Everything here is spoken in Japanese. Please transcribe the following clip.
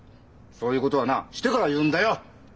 そういうことはなしてから言うんだよ！